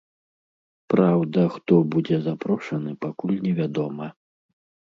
Праўда, хто будзе запрошаны, пакуль невядома.